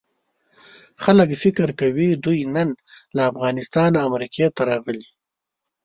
خلک فکر کوي دوی نن له افغانستانه امریکې ته راغلي.